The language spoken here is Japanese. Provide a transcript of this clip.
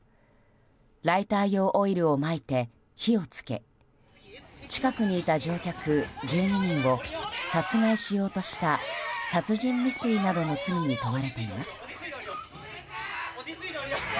ライター用オイルをまいて火を付け近くにいた乗客１２人を殺害しようとした殺人未遂などの罪に問われています。